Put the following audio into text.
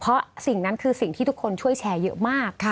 เพราะสิ่งนั้นคือสิ่งที่ทุกคนช่วยแชร์เยอะมาก